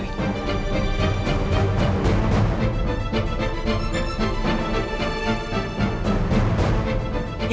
masa tak pernah seperti itu